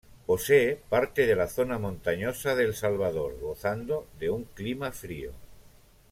Posee parte de la zona montañosa de El Salvador, gozando de un clima frío.